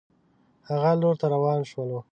هغه لور ته روان شول.